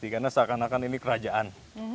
karena seakan akan ini kerajaan